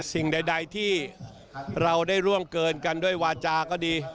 สิ่งใดที่เราได้ร่วงเกินกันด้วยวาจาก็ดี